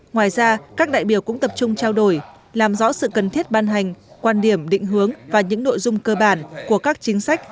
ngoài ra các đại biểu cũng tập trung trao đổi làm rõ sự cần thiết ban hành quan điểm định hướng và những nội dung cơ bản của các chính sách